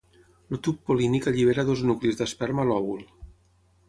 El tub pol·línic allibera dos nuclis d'esperma a l'òvul.